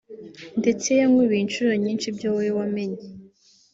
ndetse yankubiye inshuro nyinshi ibyo wowe wamenye